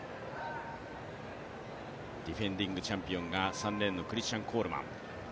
ディフェンディングチャンピオンが３レーンのクリスチャン・コールマン。